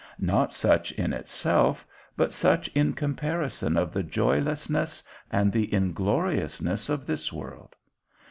not such in itself, but such in comparison of the joylessness and the ingloriousness of this world?